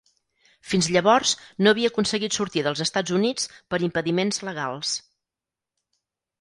Fins llavors no havia aconseguit sortir dels Estats Units per impediments legals.